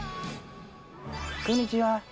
こんにちは。